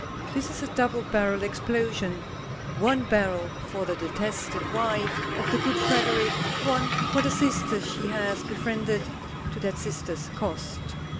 This is a double barrelled explosion. One barrel for the detested wife of the good Frederic, one for the sister she has befriended to that sister's cost.